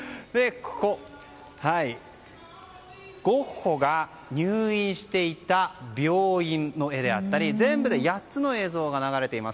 ここ、ゴッホが入院していた病院の絵であったり全部で８つの映像が流れています。